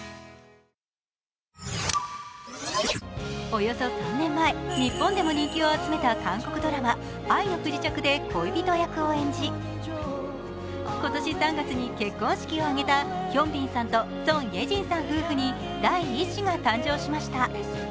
およそ３年前、日本でも人気を集めた韓国ドラマ「愛の不時着」で恋人役を演じ、今年３月に結婚式を挙げたヒョンビンさんとソン・イェジンさんの間に第１子が誕生しました。